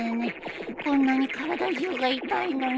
こんなに体中が痛いのに。